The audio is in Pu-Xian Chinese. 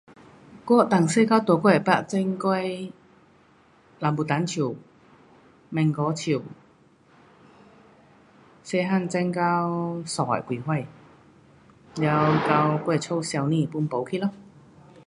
我从小到大我有曾种过 rambutan 树，mango 树，小个钟到三十多岁。了到我的家烧去 pun 没去了。